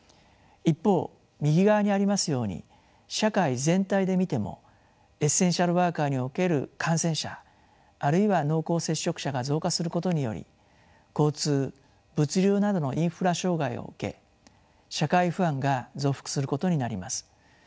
一方右側にありますように社会全体で見てもエッセンシャルワーカーにおける感染者あるいは濃厚接触者が増加することにより交通物流などのインフラ障害を受け社会不安が増幅することになります。